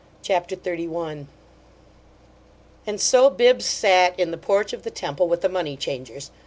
CHAPTER XXI And so Bibbs sat in the porch of the temple with the money changers.